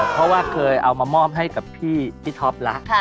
เพราะว่าเคยเอามามอบให้กับพี่ท็อปแล้ว